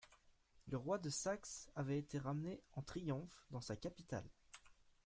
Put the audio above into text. Le roi de Saxe avait été ramené en triomphe dans sa capitale.